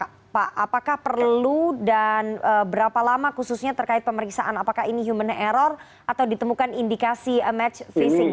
apakah perlu dan berapa lama khususnya terkait pemeriksaan apakah ini human error atau ditemukan indikasi match phishing